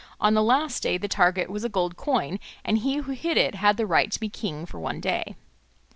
On the last day the target was a gold coin, and he who hit it had the right to be king for one day.